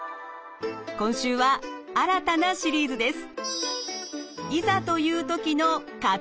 今週は新たなシリーズです。